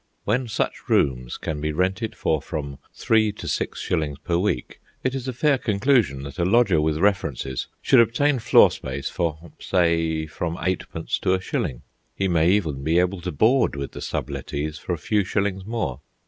When such rooms can be rented for from three to six shillings per week, it is a fair conclusion that a lodger with references should obtain floor space for, say, from eightpence to a shilling. He may even be able to board with the sublettees for a few shillings more.